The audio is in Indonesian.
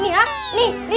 ini hp masih kredit